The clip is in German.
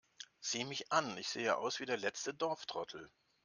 Sieh mich an, ich sehe aus wie der letzte Dorftrottel!